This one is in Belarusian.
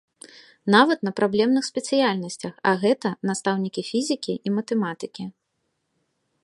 Нават на праблемных спецыяльнасцях, а гэта настаўнікі фізікі і матэматыкі.